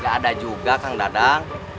gak ada juga kang dadang